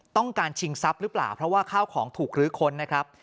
ต้องการชิงทรัพย์หรือเปล่าเพราะว่าข้าวของถูกลื้อค้นนะครับ